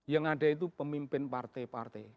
yang ada itu pemimpin partai partai